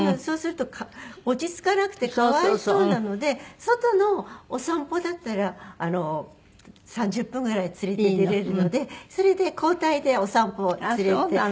そうすると落ち着かなくて可哀想なので外のお散歩だったら３０分ぐらい連れて出れるのでそれで交代でお散歩を連れて。